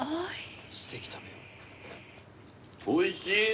おいしい。